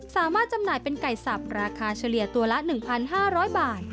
จำหน่ายเป็นไก่สับราคาเฉลี่ยตัวละ๑๕๐๐บาท